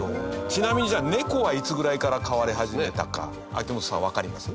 ちなみに、じゃあ、猫はいつぐらいから飼われ始めたか秋元さん、わかります？